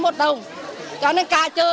cho nên cả trợ vụ chuyện này đều tin tưởng bà